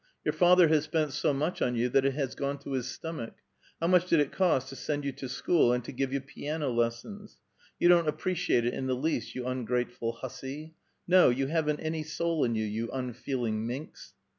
Your father has spent so much on you that it has gone to his stomach ! How much did it cost to send you to school and to give 3'ou piano les sons ? You don't appreciate it in the least, you ungrateful hussy ; no, you haven't any soul, in 3*ou, 3'ou unfeeling minx